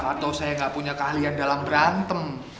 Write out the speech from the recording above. atau saya gak punya keahlian dalam berantem